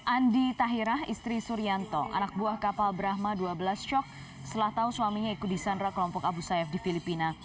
andi tahirah istri surianto anak buah kapal brahma dua belas shock setelah tahu suaminya ikut disandra kelompok abu sayyaf di filipina